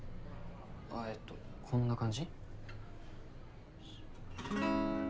あえっとこんな感じ？